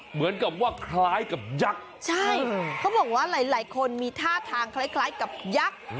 เหมือนกับว่าคล้ายกับยักษ์ใช่เขาบอกว่าหลายคนมีท่าทางคล้ายกับยักษ์